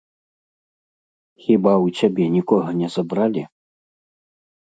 Хіба ў цябе нікога не забралі?